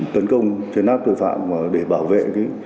tấn công trên nát tội phạm để bảo vệ